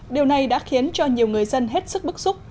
điều này đã khiến cho nhiều người dân hết sức bức xúc